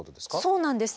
そうなんです。